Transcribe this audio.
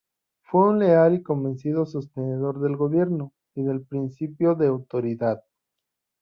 Fue un leal y convencido sostenedor del Gobierno y del principio de autoridad.